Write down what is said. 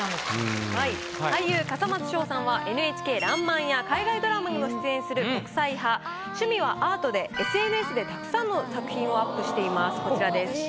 俳優笠松将さんはＮＨＫ『らんまん』や海外ドラマにも出演する国際派趣味はアートでＳＮＳでたくさんの作品をアップしていますこちらです。